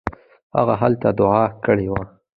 هغه هلته دوعا کړې وه.